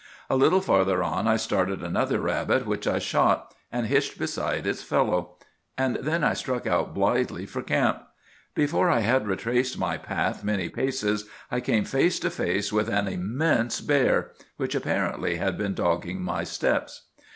A little farther on I started another rabbit, which I shot, and hitched beside its fellow; and then I struck out blithely for camp. Before I had retraced my path many paces, I came face to face with an immense bear, which apparently had been dogging my steps.